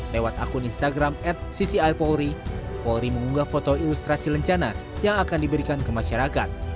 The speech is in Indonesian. lewat akun instagram at ccr polri polri mengunggah foto ilustrasi rencana yang akan diberikan ke masyarakat